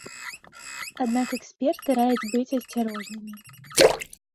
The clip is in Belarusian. Аднак эксперты раяць быць асцярожнымі.